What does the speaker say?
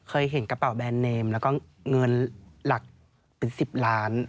เคยเห็นกระเป๋าแบรนดเนมแล้วก็เงินหลักเป็น๑๐ล้าน